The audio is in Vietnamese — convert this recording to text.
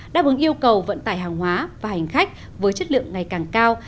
đáp ứng yêu cầu vận tải hàng hóa và hành khách với chất lượng ngày càng cao